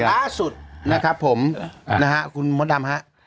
ข่าวด่วนล่าสุดนะครับผมนะฮะคุณม้อนดำฮะ